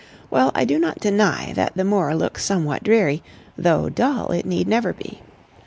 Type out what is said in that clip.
Well, I do not deny that the moor looks somewhat dreary, though dull it need never be.